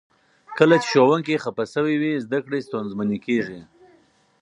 کله چې ښوونکي خفه شوي وي، زده کړې ستونزمنې کیږي.